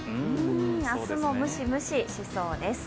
明日もムシムシしそうです。